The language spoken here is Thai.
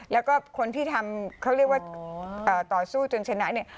แล้วก็คนที่ทำเขาเรียกว่าต่อสู้จนชนะเนี่ย